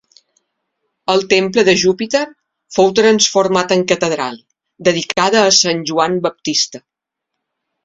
El temple de Júpiter fou transformat en catedral, dedicada a Sant Joan Baptista.